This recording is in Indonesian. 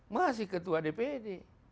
masih ketua dpd